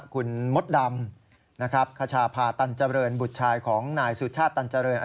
คุณมดดำขชาภาตันจริงบุษชายของนายสุชาติตันจริง